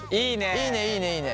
いいねいいねいいね！